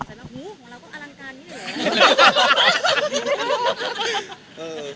ตกใจแล้วหูของเราก็อลังการนิดหนึ่งเหรอ